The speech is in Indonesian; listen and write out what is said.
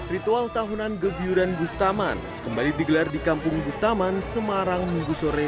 ritual tahunan gebiu dan bustaman kembali digelar di kampung bustaman semarang minggu sore